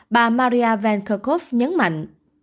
bà maria van kerkhove nhấn mạnh